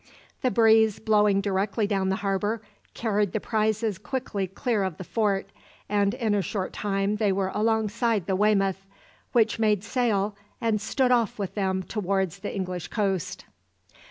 The breeze, blowing directly down the harbour, carried the prizes quickly clear of the fort, and in a short time they were alongside the "Weymouth," which made sail, and stood off with them towards the English coast.